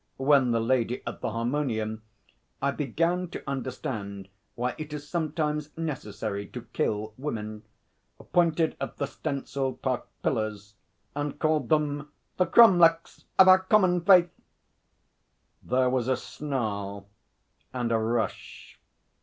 When the lady at the harmonium (I began to understand why it is sometimes necessary to kill women) pointed at the stencilled park pillars and called them 'the cromlechs of our common faith,' there was a snarl and a rush.